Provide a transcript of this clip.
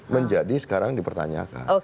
menjadi sekarang dipertanyakan